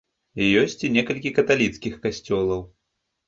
Ёсць і некалькі каталіцкіх касцёлаў.